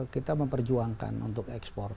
kita memperjuangkan untuk ekspor